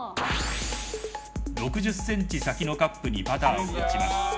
６０ｃｍ先のカップにパターを打ちます。